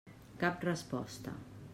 Cap resposta.